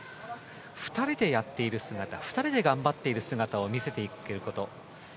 ２人でやっている姿２人で頑張っている姿を見せていくということ。